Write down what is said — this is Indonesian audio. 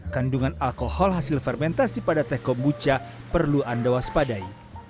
kandungan alkohol hasil fermentasi pada teh kombucha perlu anda waspadai